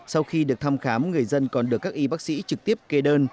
sau khi được thăm khám người dân còn được các y bác sĩ trực tiếp kê đơn